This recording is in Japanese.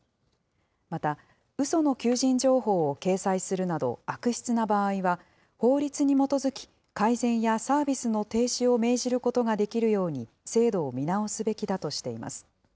また、うその求人情報を掲載するなど悪質な場合は、法律に基づき、改善やサービスの停止を命じることができるように制度を見直すべきだとしています。